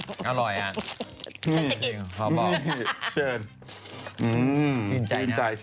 ครื่นมากชื่นใจมาก